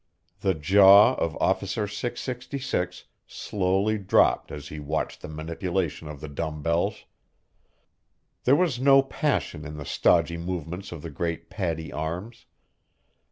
The jaw of Officer 666 slowly dropped as he watched the manipulation of the dumb bells. There was no passion in the stodgy movements of the great paddy arms.